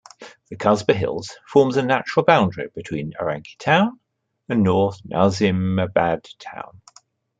The Khasba Hills forms a natural boundary between Orangi Town and North Nazimabad Town.